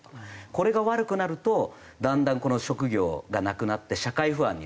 これが悪くなるとだんだん職業がなくなって社会不安になると。